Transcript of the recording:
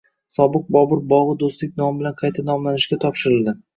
Sobiq Bobur bog‘i Do‘stlik nomi bilan qayta foydalanishga topshirildi